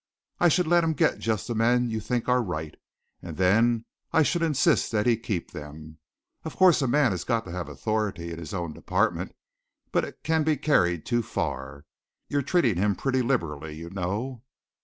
I should let him get just the men you think are right, and then I should insist that he keep them. Of course, a man has got to have authority in his own department, but it can be carried too far. You're treating him pretty liberally, you know."